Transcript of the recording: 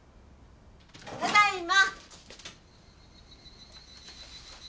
ただいま。